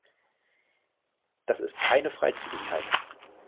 Das ist keine Freizügigkeit!